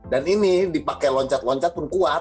dan ini dipakai loncat loncat pun kuat